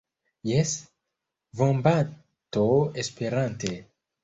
Jes, vombato Esperante.